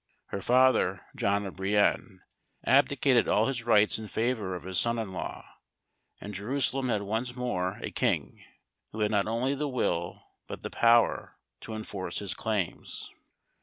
Her father, John of Brienne, abdicated all his rights in favour of his son in law, and Jerusalem had once more a king, who had not only the will, but the power, to enforce his claims.